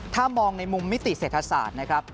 ถ้ามองในมุมมิติเศรษฐศาสตร์